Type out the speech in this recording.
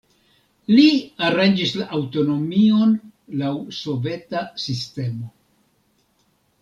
Li aranĝis la aŭtonomion laŭ soveta sistemo.